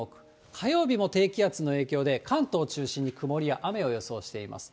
火曜日も低気圧の影響で、関東中心に曇りや雨を予想しています。